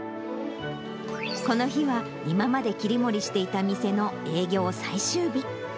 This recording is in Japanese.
この日は、今まで切り盛りしていた店の営業最終日。